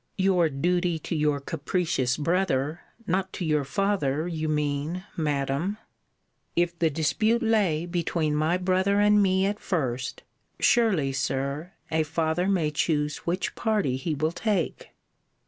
Your duty to your capricious brother, not to your father, you mean, Madam. If the dispute lay between my brother and me at first, surely, Sir, a father may choose which party he will take.